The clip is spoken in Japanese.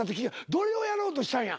どれをやろうとしたんや。